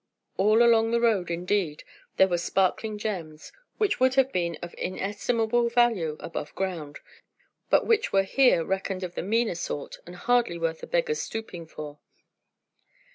All along the road, indeed, there were sparkling gems which would have been of inestimable value above ground, but which were here reckoned of the meaner sort and hardly worth a beggar's stooping for.